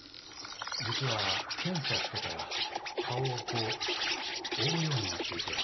実は検査してから顔をこう覆うようになっていて。